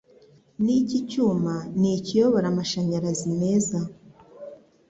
Niki cyuma nikiyobora amashanyarazi meza?